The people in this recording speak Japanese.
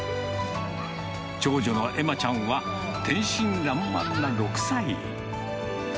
長女のえまちゃんは天真らんまんな６歳。